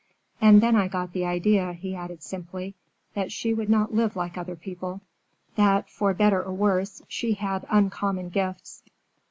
"And then I got the idea," he added simply, "that she would not live like other people: that, for better or worse, she had uncommon gifts."